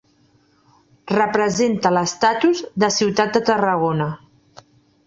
Representa l'estatus de ciutat de Tarragona.